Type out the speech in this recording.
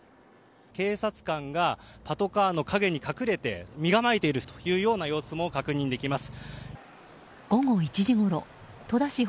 警察官がパトカーの陰に隠れて身構えているというような様子も確認できます。